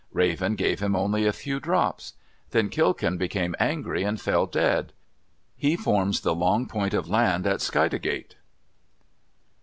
Raven gave him only a few drops. Then Kilkun became angry and fell dead. He forms the long point of land at Skidegate.